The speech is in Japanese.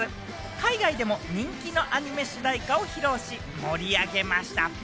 海外でも人気のアニメ主題歌を披露し、盛り上げました。